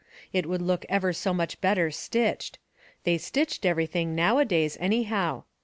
It would look ever so much better stitched ; they stitched everything now a Jaj^s, anyhow.